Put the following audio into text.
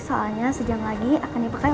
soalnya sejam lagi akan dipakai